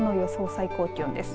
最高気温です。